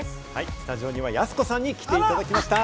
スタジオには、やす子さんに来ていただきました。